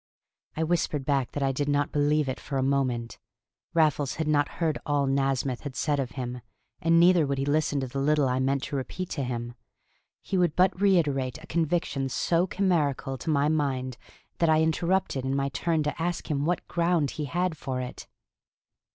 I whispered back that I did not believe it for a moment. Raffles had not heard all Nasmyth had said of him. And neither would he listen to the little I meant to repeat to him; he would but reiterate a conviction so chimerical to my mind that I interrupted in my turn to ask him what ground he had for it.